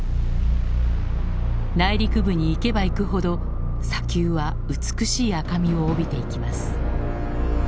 内陸部に行けば行くほど砂丘は美しい赤みを帯びていきます。